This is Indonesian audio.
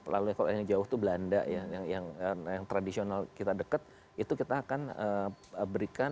lalu kalau yang jauh itu belanda yang tradisional kita deket itu kita akan berikan